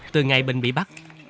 từ ngày bên bỉ bắc